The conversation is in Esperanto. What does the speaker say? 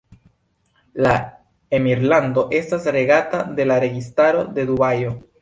La emirlando estas regata de la Registaro de Dubajo.